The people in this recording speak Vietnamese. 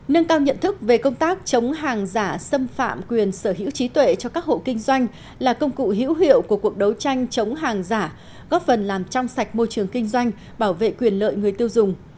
nâng cao nhận thức về công tác chống hàng giả xâm phạm quyền sở hữu trí tuệ cho các hộ kinh doanh là công cụ hữu hiệu của cuộc đấu tranh chống hàng giả góp phần làm trong sạch môi trường kinh doanh bảo vệ quyền lợi người tiêu dùng